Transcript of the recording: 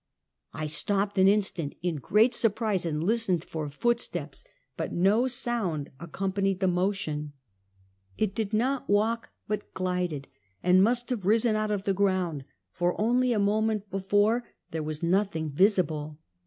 I stopped an instant, in great surprise, and listened for footsteps, but no sound accompanied the motion. It did not walk, but glided, and must have risen out of the ground, for only a moment before there was nothing visible.